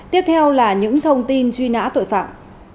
tiếp theo là những thông tin truy nã tội phạm